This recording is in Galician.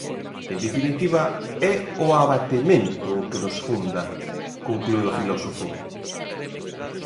"En definitiva é o abatemento o que nos funda", conclúe o filósofo.